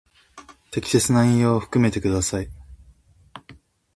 適切な引用を含めてください。